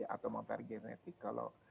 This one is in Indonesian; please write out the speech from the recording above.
atau materi genetik kalau